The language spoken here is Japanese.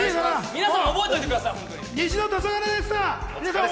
皆さん、覚えておいてください。